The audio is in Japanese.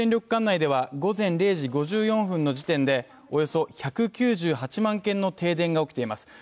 管内では午前０時５４分の時点でおよそ１９８万軒の停電が起きています。